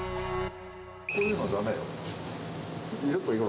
こういうのはだめよ。